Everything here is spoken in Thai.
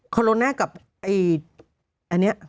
โคโรน่ากับไวรัสเนี่ย